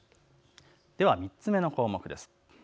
では３つ目の項目です。